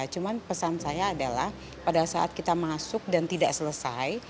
cuma pesan saya adalah pada saat kita masuk dan tidak selesai